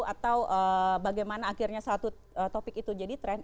atau bagaimana akhirnya satu topik itu jadi tren